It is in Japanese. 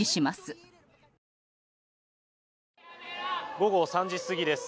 午後３時過ぎです。